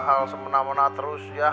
hal semena mena terus ya